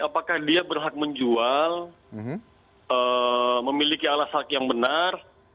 apakah dia berhak menjual memiliki alas hak yang benar